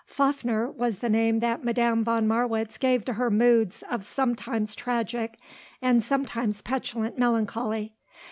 Fafner was the name that Madame von Marwitz gave to her moods of sometimes tragic and sometimes petulant melancholy.